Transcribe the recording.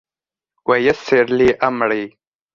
ويسر لي أمري